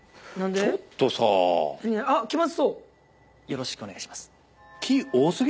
よろしくお願いします。